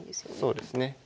そうですね。